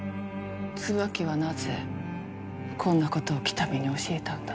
椿はなぜこんなことを喜多見に教えたんだ？